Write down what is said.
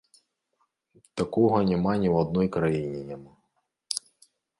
Такога няма ні ў адной краіне няма.